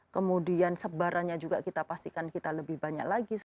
kemudian sebarannya juga kita pastikan kita lebih banyak lagi